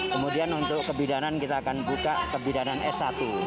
kemudian untuk kebidanan kita akan buka kebidanan s satu